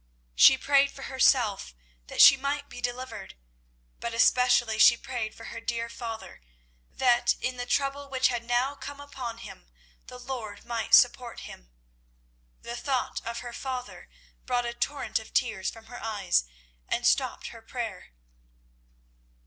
She prayed for herself, that she might be delivered, but especially she prayed for her dear father, that in the trouble which had now come upon him the Lord might support him. The thought of her father brought a torrent of tears from her eyes and stopped her prayer.